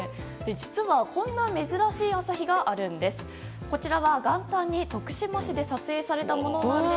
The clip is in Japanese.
実はこんな珍しい朝日があるんです。